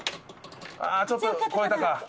ああちょっと越えたか。